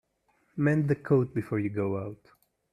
Mend the coat before you go out.